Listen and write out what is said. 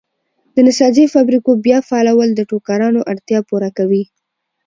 د نساجۍ فابریکو بیا فعالول د ټوکرانو اړتیا پوره کوي.